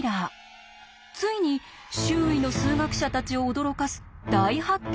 ついに周囲の数学者たちを驚かす大発見を成し遂げます。